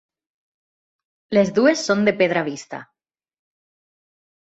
Les dues són de pedra vista.